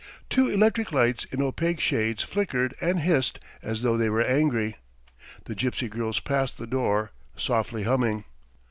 Two electric lights in opaque shades flickered and hissed as though they were angry. The gypsy girls passed the door, softly humming.